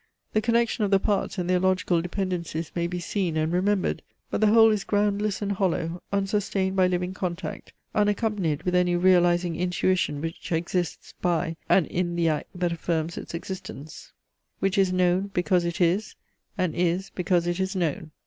The connection of the parts and their logical dependencies may be seen and remembered; but the whole is groundless and hollow, unsustained by living contact, unaccompanied with any realizing intuition which exists by and in the act that affirms its existence, which is known, because it is, and is, because it is known.